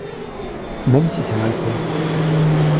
Même si c’est mal fait.